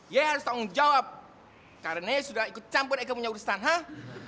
ya harus tanggung jawab karena sudah ikut campur eike punya urusan hah